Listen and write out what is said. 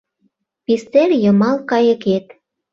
Пистер йымал кайыкет.